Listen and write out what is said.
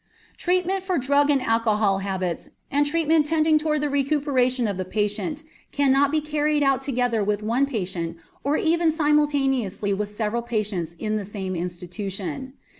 Treatment for drug and alcoholic habits and treatment tending toward the recuperation of the patient cannot be carried out together with one patient or even simultaneously with several patients in the same institution.